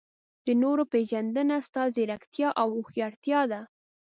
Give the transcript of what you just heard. د نورو پېژندنه ستا ځیرکتیا او هوښیارتیا ده.